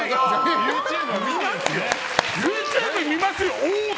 ＹｏｕＴｕｂｅ見ますよおー！って